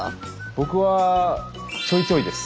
僕はちょいちょいです。